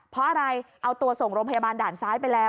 เพราะอะไรเอาตัวส่งโรงพยาบาลด่านซ้ายไปแล้ว